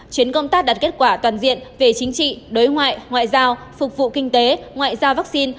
chuyến công tác đạt kết quả toàn diện về chính trị đối ngoại ngoại giao phục vụ kinh tế ngoại giao vaccine